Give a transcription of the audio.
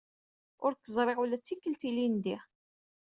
Ur k-ẓriɣ ula d tikelt ilindi.